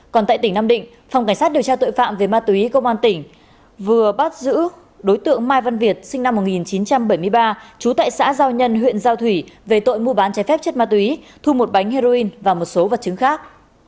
còn tại tỉnh nam định phòng cảnh sát điều tra tội phạm về ma túy công an tỉnh vừa bắt giữ đối tượng mai văn việt sinh năm một nghìn chín trăm bảy mươi ba trú tại xã giao nhân huyện giao thủy về tội mua bán trái phép chất ma túy thu một bánh heroin và một số vật chứng khác